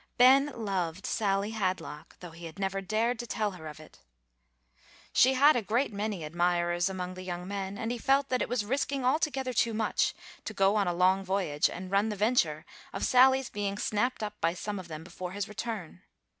Ben loved Sally Hadlock, though he had never dared to tell her of it. She had a great many admirers among the young men, and he felt that it was risking altogether too much to go on a long voyage, and run the venture of Sally's being snapped up by some of them before his return.